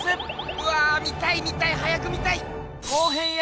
うわぁ見たい見たい！早く見たい！